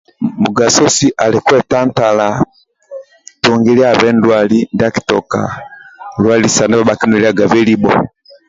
Mugasosi ali kwetantala tungilyabhe ndwali ndyakitoka lwalisa ndibha ki nweliyagabhe libho